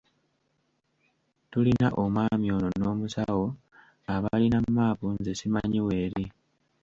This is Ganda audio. Tulina omwami ono n'omusawo abalina map nze simanyi w'eri.